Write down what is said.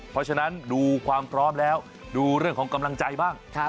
เพราะฉะนั้นดูความพร้อมแล้วดูเรื่องของกำลังใจบ้าง